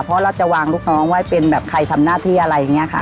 เพราะเราจะวางลูกน้องไว้เป็นแบบใครทำหน้าที่อะไรอย่างนี้ค่ะ